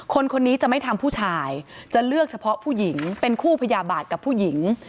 คนนี้จะไม่ทำผู้ชายจะเลือกเฉพาะผู้หญิงเป็นคู่พยาบาทกับผู้หญิง